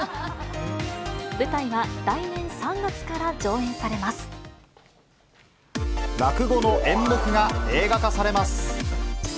舞台は来年３月から上演され落語の演目が映画化されます。